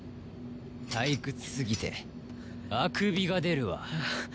退屈すぎてあくびが出るわ。